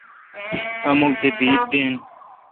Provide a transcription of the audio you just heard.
ار مک تھ بید دین۔